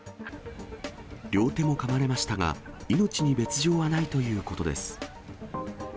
両手もかまれましたが、命に別状はないということです。